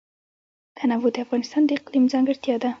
تنوع د افغانستان د اقلیم ځانګړتیا ده.